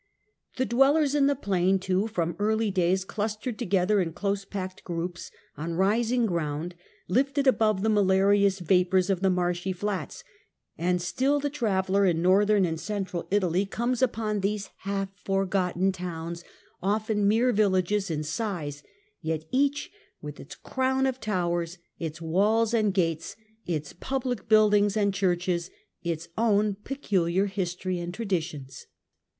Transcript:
The dwellers in the plain, too, from early days clustered together in close packed groups, on rising ground, lifted above the malarious vapours of the marshy flats, and still the traveller in Northern and Central Italy comes upon these half forgotten towns, often mere villages in size, yet each with its crown of towers, its walls and gates, its public buildings and churches, its own peculiar history and traditions.